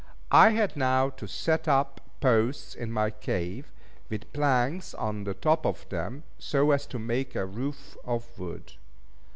I had now to set up posts in my cave, with planks on the top of them, so as to make a roof of wood.